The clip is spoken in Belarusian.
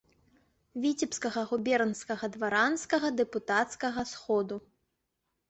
Віцебскага губернскага дваранскага дэпутацкага сходу.